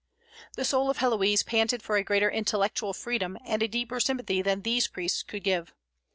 The soul of Héloïse panted for a greater intellectual freedom and a deeper sympathy than these priests could give.